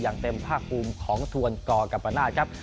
อย่างเต็มภาคภูมิของทวนกกัมปนาศครับ